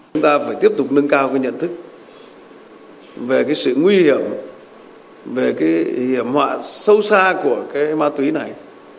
chúng ta phải tiếp tục nâng cao cái nhận thức về cái sự nguy hiểm về cái hiểm họa sâu xa của cái ma túy này